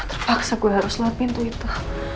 terpaksa gue harus lewat pintu itu